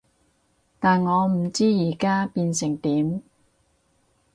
但我唔知而家變成點